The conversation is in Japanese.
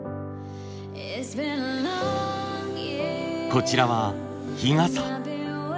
こちらは日傘。